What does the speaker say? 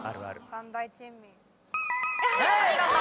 三大珍味。